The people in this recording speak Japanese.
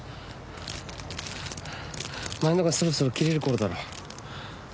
前のがそろそろ切れる頃だろ？